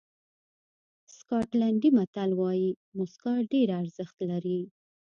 سکاټلېنډي متل وایي موسکا ډېره ارزښت لري.